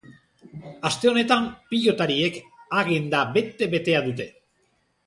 Aste honetan pilotariek agenda bete-betea dute.